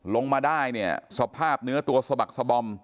ลงมาได้เนี่ยสภาพเนื้อตัวสบักสบอม